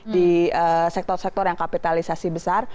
di sektor sektor yang kapitalisasi besar